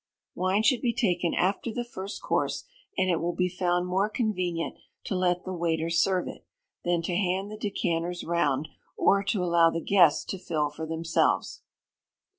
Wine should be taken after the first course; and it will be found more convenient to let the waiter serve it, than to hand the decanters round, or to allow the guests to fill for themselves.